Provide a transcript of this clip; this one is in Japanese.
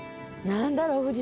何だろう。